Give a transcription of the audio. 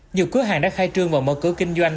nhiều cửa hàng đã khai trương và mở cửa kinh doanh